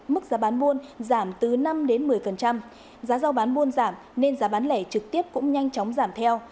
mức giá bán buôn giảm từ năm một mươi giá giao bán buôn giảm nên giá bán lẻ trực tiếp cũng nhanh chóng giảm theo